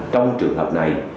trong trường hợp này